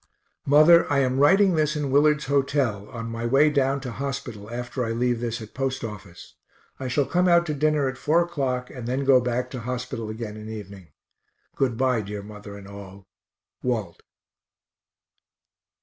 Mother, I am writing this in Willard's hotel, on my way down to hospital after I leave this at post office. I shall come out to dinner at 4 o'clock and then go back to hospital again in evening. Good bye, dear mother and all. WALT.